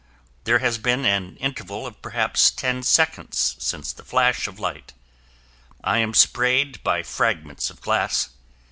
There has been an interval of perhaps ten seconds since the flash of light. I am sprayed by fragments of glass.